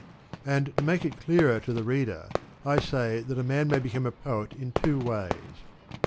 And, to make it clearer to the reader I say that a man may become a poet in two ways.